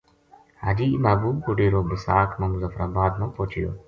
حاجی محبوب کو ڈیرو بِساکھ ما مظفرآباد ما پوہچیو